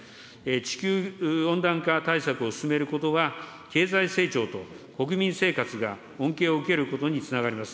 地球温暖化対策を進めることは、経済成長と国民生活が恩恵を受けることにつながります。